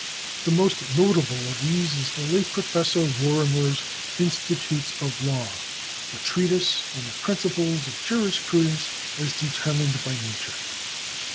The most notable of these is the late Professor Lorimer's Institutes of Law, a Treatise of the Principles of Jurisprudence as deter mined by Nature.